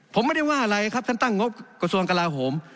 ผมไม่ได้ว่าอะไรครับท่านตั้งงบกระทรวงกลาโหม